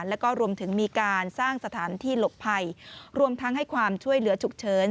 แล้วก็รวมถึงมีการสร้างสถานที่หลบภัยรวมทั้งให้ความช่วยเหลือฉุกเฉิน